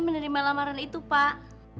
menerima lamaran itu pak